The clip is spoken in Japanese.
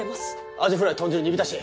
アジフライ豚汁煮浸し。